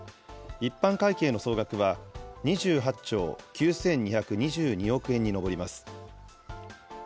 一般会計の総額は２８兆９２２２億円に上ります。